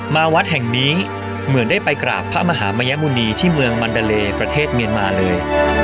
มาวัดแห่งนี้เหมือนได้ไปกราบพระมหามยมฮุณีที่เมืองมันเตอร์เลย